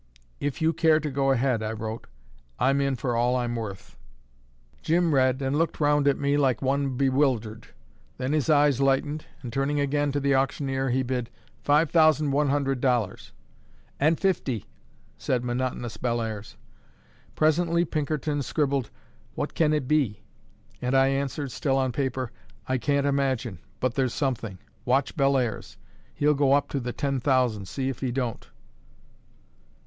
"If you care to go ahead," I wrote, "I'm in for all I'm worth." Jim read and looked round at me like one bewildered; then his eyes lightened, and turning again to the auctioneer, he bid, "Five thousand one hundred dollars." "And fifty," said monotonous Bellairs. Presently Pinkerton scribbled, "What can it be?" and I answered, still on paper: "I can't imagine; but there's something. Watch Bellairs; he'll go up to the ten thousand, see if he don't."